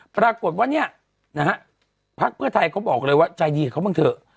ปรากฏว่าเนี่ยนะฮะพักเพื่อไทยเขาบอกเลยว่าใจดีกับเขาบ้างเถอะ